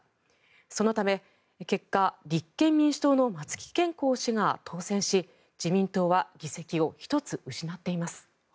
そのため、結果立憲民主党の松木謙公氏が当選し自民党は議席を１つ失っています。